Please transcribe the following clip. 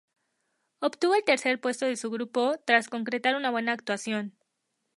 Obtuvo el tercer puesto de su grupo tras concretar una buena actuación.